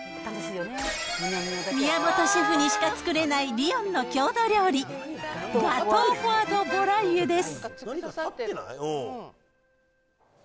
宮本シェフにしか作れない、リヨンの郷土料理、ガトー・フォア・ド・ヴォライユです。